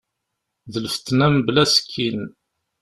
D lfetna mebla asekkin.